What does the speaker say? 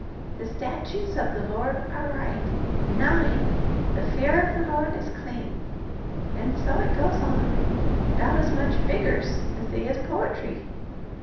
The statutes of the Lord are right. 9. The fear of the Lord is clean.' And so it goes on, 'bout as much figgers as they is poetry.